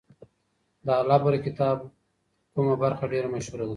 د العبر کتاب کومه برخه ډیره مشهوره ده؟